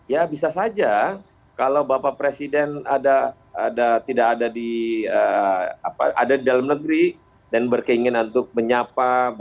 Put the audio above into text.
ya bisa saja kalau bapak presiden tidak ada di dalam negeri dan berkeinginan untuk menyapa